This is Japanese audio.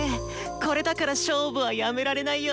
これだから勝負はやめられないよ。